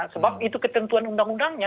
sebab itu ketentuan undang undangnya